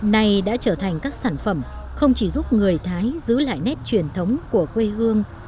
này đã trở thành các sản phẩm không chỉ giúp người thái giữ lại nét truyền thống của quê hương